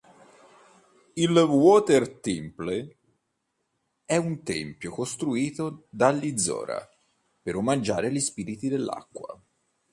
Il Water Temple è un tempio costruito dagli "Zora" per omaggiare gli spiriti dell'acqua.